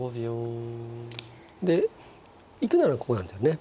で行くならここなんですよね。